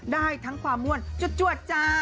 ได้ทั้งความม่วนจวดจ้า